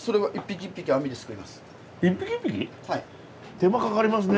手間かかりますね。